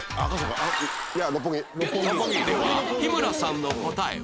では日村さんの答えは？